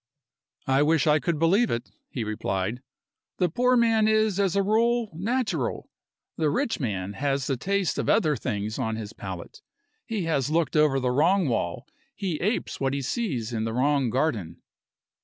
"I wish I could believe it," he replied. "The poor man is, as a rule, natural. The rich man has the taste of other things on his palate; he has looked over the wrong wall, he apes what he sees in the wrong garden."